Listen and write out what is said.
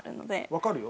わかるよ。